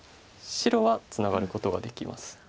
白はツナがることができます。